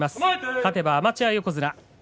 勝てば、アマチュア横綱。